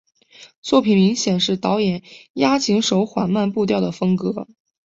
作品明显是导演押井守缓慢步调的风格。